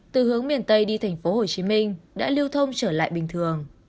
từ hướng miền tây đi tp hcm đã lưu thông trở lại bình thường